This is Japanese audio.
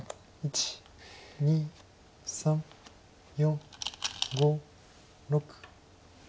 ２３４５６。